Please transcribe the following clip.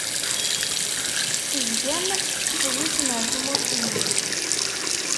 Tezgam tettḥewwisem ar tmurt-nni.